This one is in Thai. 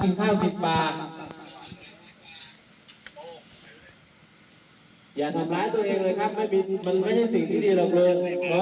ลุงมาคุยกันข้างล่างนะครับกินข้าวกินปลา